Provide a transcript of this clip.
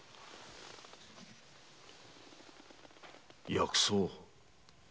薬草？